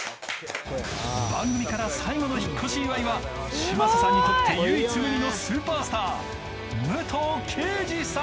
番組から最後の引っ越し祝いは嶋佐さんにとって唯一無二のスーパースター武藤敬司さん！